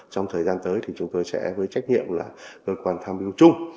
trong thời gian tới thì chúng tôi sẽ với trách nhiệm là cơ quan tham biêu chung